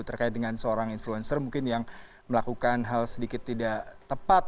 terkait dengan seorang influencer mungkin yang melakukan hal sedikit tidak tepat